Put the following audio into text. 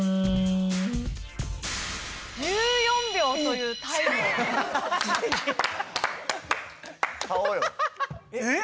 １４秒というタイム顔よえっ？